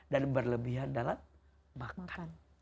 dan berlebihan dalam makan